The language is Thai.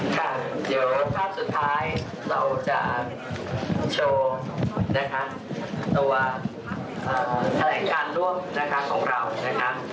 ค่ะเดี๋ยวภาพสุดท้ายเราจะโชว์นะคะตัวแถลงการร่วมนะคะของเรานะครับ